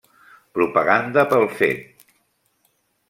Propaganda pel fet!